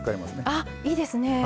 あっいいですねえ。